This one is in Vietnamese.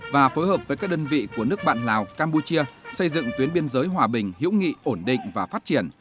và phối hợp với các đơn vị của nước bạn lào campuchia xây dựng tuyến biên giới hòa bình hữu nghị ổn định và phát triển